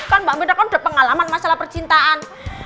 kan mbak mira kan udah pengalaman masalah percintaan